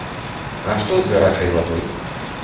А што з гарачай вадой?